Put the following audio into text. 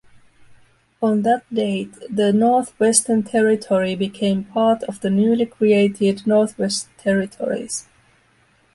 On that date the North-Western Territory became part of the newly created Northwest Territories.